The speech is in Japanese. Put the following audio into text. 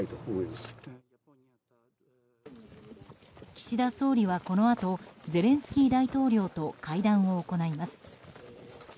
岸田総理は、このあとゼレンスキー大統領と会談を行います。